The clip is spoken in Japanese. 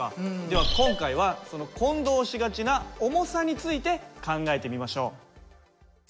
では今回はその混同しがちな「重さ」について考えてみましょう。